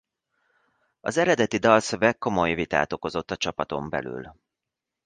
Az eredeti dalszöveg komoly vitát okozott a csapaton belül.